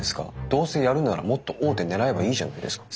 どうせやるんならもっと大手狙えばいいじゃないですか。